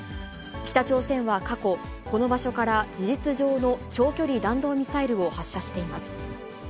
北朝鮮は過去、この場所から事実上の長距離弾道ミサイルを発射しています。